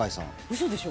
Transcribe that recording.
嘘でしょ？